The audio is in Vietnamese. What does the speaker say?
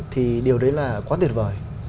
thì điều đấy là quá tuyệt vời